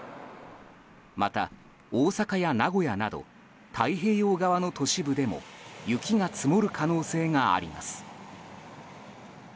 また、大阪や名古屋など太平洋側の都市部でも雪が積もる可能性があります。